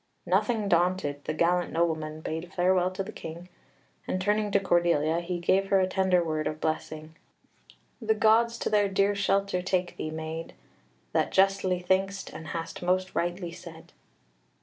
Nothing daunted, the gallant nobleman bade farewell to the King, and, turning to Cordelia, he gave her a tender word of blessing. "The gods to their dear shelter take thee, maid, that justly think'st, and hast most rightly said!"